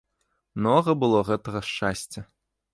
Многа было гэтага шчасця.